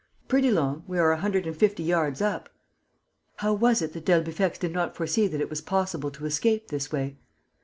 "Pretty long. We are a hundred and fifty yards up." "How was it that d'Albufex did not foresee that it was possible to escape this way?"